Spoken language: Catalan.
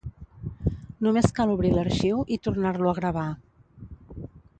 Només cal obrir l'arxiu i tornar-lo a gravar.